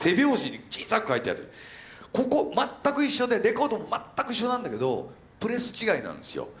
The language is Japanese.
ここ全く一緒でレコードも全く一緒なんだけどプレス違いなんですよ。